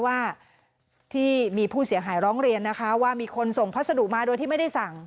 ว่าที่มีผู้เสียหายร้องเรียนนะคะว่ามีคนส่งพัสดุมาโดยที่ไม่ได้สั่ง